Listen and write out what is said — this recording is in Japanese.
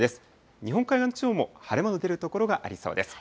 日本海側の地方も晴れ間の出る所がありそうです。